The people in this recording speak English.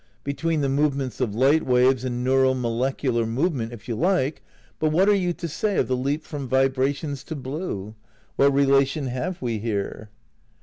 Between the movements of light waves and neural molecular movement, if you like ; but what are you to say of the leap from vibrations to blue ? What relation have we here